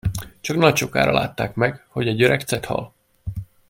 Csak nagy sokára látták meg, hogy egy öreg cethal.